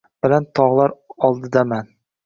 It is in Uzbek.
Baland tog'lar oldidaman.